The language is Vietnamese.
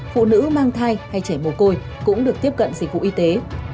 phụ nữ mang thai hay trẻ mồ côi cũng được tiếp cận dịch vụ y tế